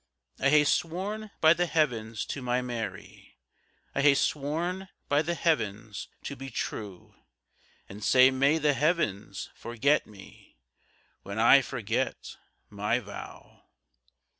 I hae sworn by the Heavens to my Mary,I hae sworn by the Heavens to be true; And sae may the Heavens forget me, When I forget my vow!